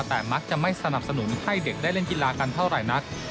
แต่มักจะไม่สนับสนุนให้เด็กได้เล่นกีฬากันเท่าไหร่นัก